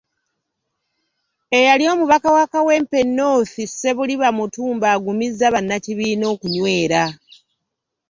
Eyali omubaka wa Kawempe North Ssebuliba Mutumba agumizza bannakibiina okunywera.